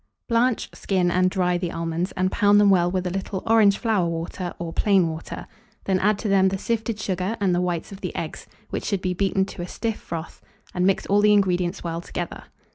Blanch, skin, and dry the almonds, and pound them well with a little orange flower water or plain water; then add to them the sifted sugar and the whites of the eggs, which should be beaten to a stiff froth, and mix all the ingredients well together.